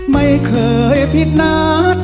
ไม่เคยผิดนัด